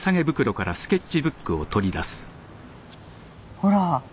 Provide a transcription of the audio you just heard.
ほら。